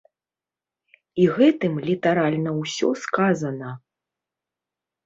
І гэтым літаральна ўсё сказана.